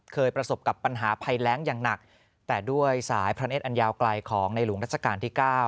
เคยประสบกับปัญหาภัยแรงอย่างหนักแต่ด้วยสายพระเนธอันยาวไกลของในหลวงรัชกาลที่๙